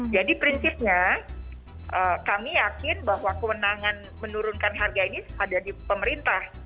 jadi prinsipnya kami yakin bahwa kemenangan menurunkan harga ini ada di pemerintah